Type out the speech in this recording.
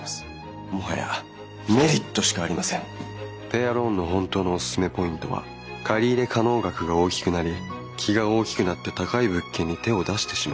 ペアローンの本当のおすすめポイントは借り入れ可能額が大きくなり気が大きくなって高い物件に手を出してしまうこと。